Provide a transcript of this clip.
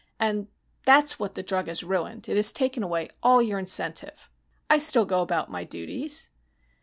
And that's what the drug has ruined. It has taken away all your incentive." "I still go about my duties."